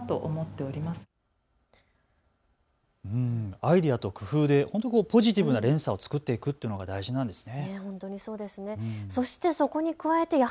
アイデアと工夫でポジティブな連鎖を作っていくっていうのが大事なんですね。